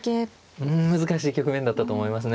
うん難しい局面だったと思いますね。